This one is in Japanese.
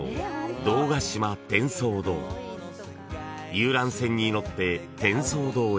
［遊覧船に乗って天窓洞へ］